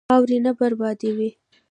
خاورې نه بربادوه.